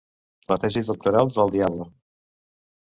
La tesi doctoral del diable.